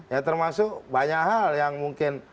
ya termasuk banyak hal yang mungkin